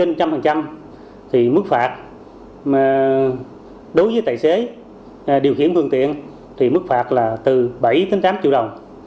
đối với xe quá tải trên một trăm linh thì mức phạt đối với tài xế điều khiển phương tiện thì mức phạt là từ bảy tám triệu đồng